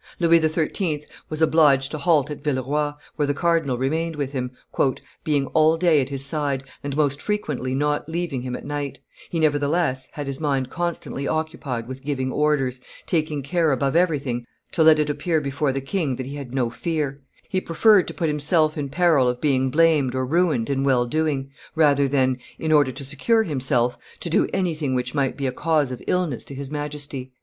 Louis XIII. was obliged to halt at Villeroy, where the cardinal remained with him, "being all day at his side, and most frequently not leaving him at night; he, nevertheless, had his mind constantly occupied with giving orders, taking care above everything to let it appear before the king that he had no fear; he preferred to put himself in peril of being blamed or ruined in well doing, rather than, in order to secure himself, to do anything which might be a cause of illness to his Majesty."